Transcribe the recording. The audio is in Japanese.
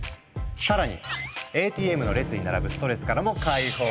更にＡＴＭの列に並ぶストレスからも解放！